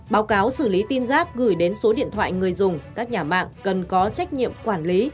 báo cáo xử lý tin giác gửi đến số điện thoại người dùng các nhà mạng cần có trách nhiệm quản lý